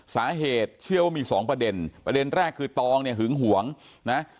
เชื่อว่ามีสองประเด็นประเด็นแรกคือตองเนี่ยหึงหวงนะ